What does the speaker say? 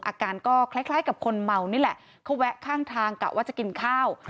อาการก็คล้ายกับคนเมานี่แหละเขาแวะข้างทางกะว่าจะกินข้าว